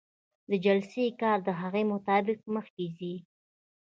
د جلسې کار د هغې مطابق مخکې ځي.